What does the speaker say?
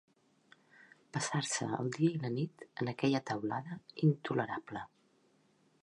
Passar-se el dia i la nit en aquella teulada intolerable